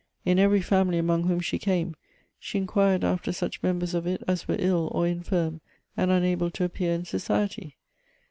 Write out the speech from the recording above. In every family among whom she came, she inquired after such members of it as were ill or infirm, and unable to appear in society.